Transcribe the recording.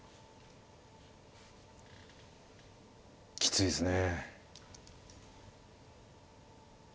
きついですね。